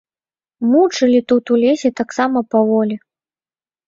Мучылі тут у лесе таксама паволі.